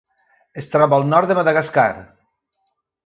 Es troba al nord de Madagascar.